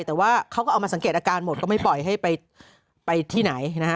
แต่ว่าเขาก็เอามาสังเกตอาการหมดก็ไม่ปล่อยให้ไปที่ไหนนะฮะ